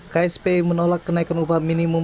kspi menolak kenaikan upah minimum